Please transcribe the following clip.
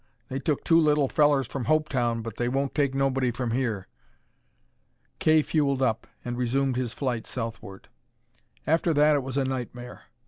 They took two little fellers from Hopetown, but they won't take nobody from here." Kay fuelled up and resumed his flight southward. After that it was a nightmare.